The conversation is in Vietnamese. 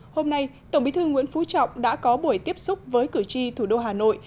hôm nay tổng bí thư nguyễn phú trọng đã có buổi tiếp xúc với cử tri thủ đô hà nội